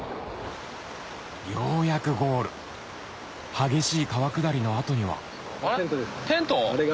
ようやくゴール激しい川下りの後にはあれテント？